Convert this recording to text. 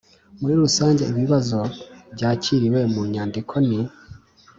Muri rusange ibibazo byakiriwe mu nyandiko ni